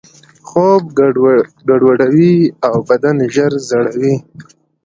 خوب ګډوډوي او بدن ژر زړوي.